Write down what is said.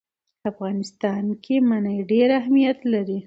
په افغانستان کې منی ډېر اهمیت لري.